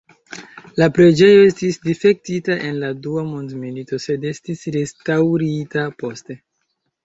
La preĝejo estis difektita en la dua mondmilito, sed estis restaŭrita poste.